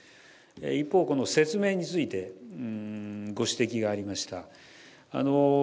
一方、この説明について、ご指摘がありました。